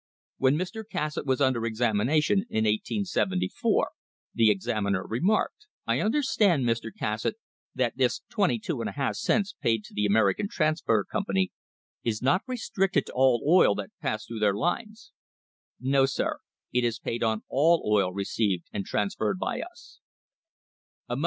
When Mr. Cassatt was under examination in 1874 the examiner remarked : "I understand, Mr. Cassatt, that this 22}4 cents paid to the American Transfer Company is not restricted to all oil that passed through their lines." "No, sir; it is paid on all oil received and transferred by us."